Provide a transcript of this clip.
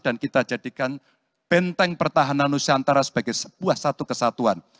dan kita jadikan penteng pertahanan nusantara sebagai sebuah satu kesatuan